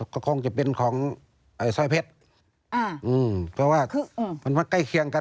ก็คงจะเป็นของสร้อยเพชรอ่าอืมเพราะว่าคือมันว่าใกล้เคียงกัน